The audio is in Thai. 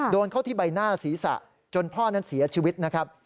โดนเข้าที่ใบหน้าศีรษะจนพ่อนั้นเสียชีวิตนะครับ